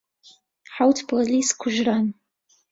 حەوت پۆلیس کوژران.